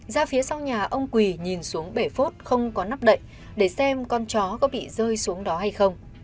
ra phía sau nhà ông quỳ nhìn xuống bể phốt không có nắp đậy để xem con chó có bị rơi xuống đó hay không